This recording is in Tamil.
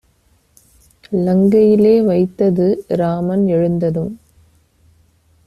லங்கையிலே வைத்தது! ராமன் எழுந்ததும்